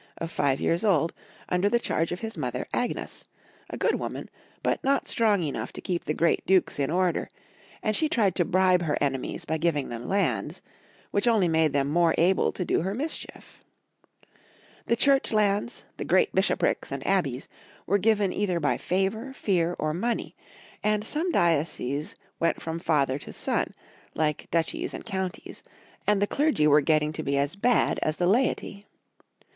of five years old, under the charge of his mother, Agnes, a good woman, but not strong enough to keep the great dukes in order ; and she tried to bribe her enemies by giving them lands, which only made them more able to do her mis chief. The Church lands, the great bishoprics and abbeys, were given either by favor, fear, or money, and some dioceses went from father to son, like duchies and counties, and the clergy were getting to be as bad as the laity.